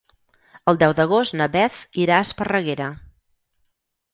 El deu d'agost na Beth irà a Esparreguera.